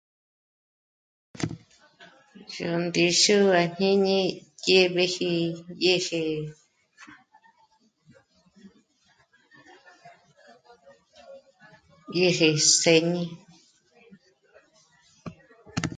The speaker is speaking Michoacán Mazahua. Yó ndíxu àjñíni dyéb'eji yë́je... yë́je së́'ñi